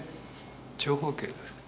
長方形です。